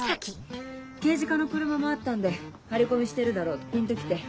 刑事課の車もあったんで張り込みしてるだろうってピンと来て。